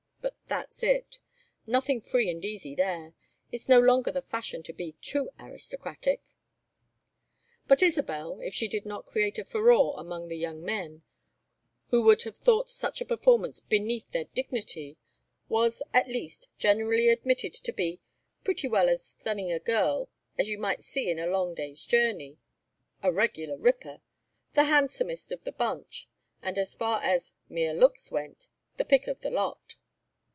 But that's it. Nothing free and easy, there. It's no longer the fashion to be too aristocratic." But Isabel, if she did not create a furore among the young men, who would have thought such a performance beneath their dignity, was, at least, generally admitted to be "Pretty well as stunning a girl as you might see in a long day's journey," "a regular ripper," "the handsomest of the bunch," and as far as "mere looks went" the "pick of the lot."